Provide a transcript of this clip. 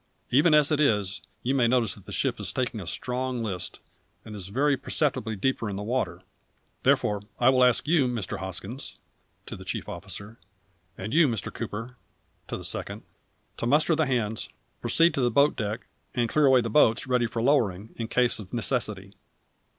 Even as it is, you may notice that the ship is taking a strong list, and is very perceptibly deeper in the water; therefore I will ask you, Mr Hoskins," (to the chief officer) "and you, Mr Cooper," (to the second) "to muster the hands, proceed to the boat deck, and clear away the boats, ready for lowering, in case of necessity.